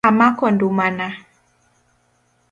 Amako ndumana .